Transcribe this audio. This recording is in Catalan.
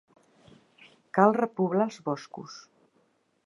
Cal repoblar els boscos.